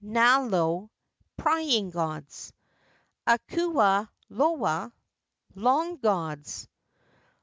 nalo (prying gods). " loa (long gods).